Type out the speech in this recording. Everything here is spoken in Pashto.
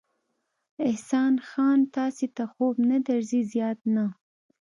احسان خان، تاسې ته خوب نه درځي؟ زیات نه.